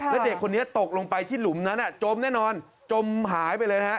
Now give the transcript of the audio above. แล้วเด็กคนนี้ตกลงไปที่หลุมนั้นจมแน่นอนจมหายไปเลยนะฮะ